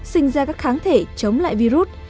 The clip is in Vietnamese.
sinh ra các kháng thể chống lại virus